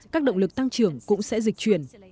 các động lực tăng trưởng cũng sẽ dịch chuyển